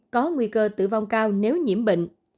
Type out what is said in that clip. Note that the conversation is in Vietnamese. có nguy cơ tử vong cao nếu nhiễm bệnh